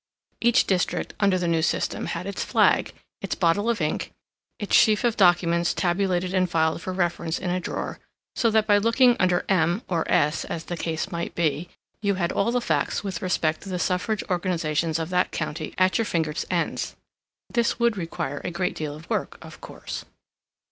Each district, under the new system, had its flag, its bottle of ink, its sheaf of documents tabulated and filed for reference in a drawer, so that by looking under M or S, as the case might be, you had all the facts with respect to the Suffrage organizations of that county at your fingers' ends. This would require a great deal of work, of course.